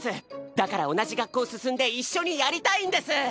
だから同じ学校進んで一緒にやりたいんです！